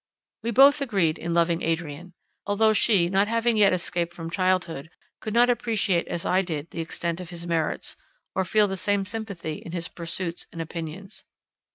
We both agreed in loving Adrian: although she not having yet escaped from childhood could not appreciate as I did the extent of his merits, or feel the same sympathy in his pursuits and opinions.